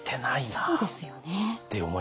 そうですよね。